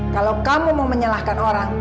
kalau kamu mau menyalahkan orang